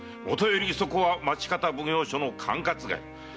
もとよりそこは町方奉行所の管轄外。